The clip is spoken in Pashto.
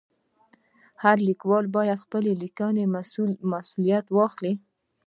هر لیکوال باید د خپلې لیکنې مسؤلیت واخلي.